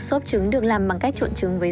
xốp trứng được làm bằng cách trộn trứng với